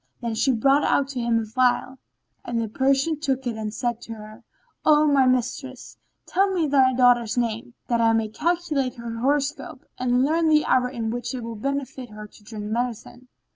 Then she brought out to him a phial—and the Persian looked at it and said to her, "O my mistress, tell me thy daughter's name, that I may calculate her horoscope and learn the hour in which it will befit her to drink medicine."